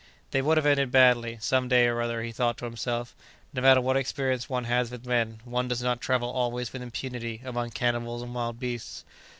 They would have ended badly, some day or other, he thought to himself; no matter what experience one has with men, one does not travel always with impunity among cannibals and wild beasts.